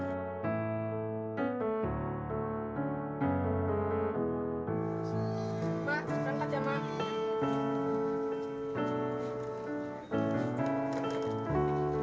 tidak ada yang menganggap